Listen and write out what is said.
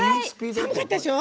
寒かったでしょ。